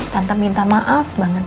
tante minta maaf banget